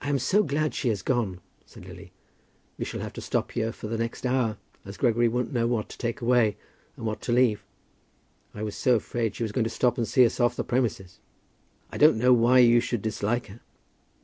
"I am so glad she has gone," said Lily. "We shall have to stop here for the next hour, as Gregory won't know what to take away and what to leave. I was so afraid she was going to stop and see us off the premises." "I don't know why you should dislike her."